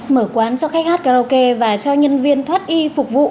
mở quán cho khách hát karaoke và cho nhân viên thoát y phục vụ